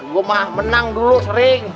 gue mah menang dulu sering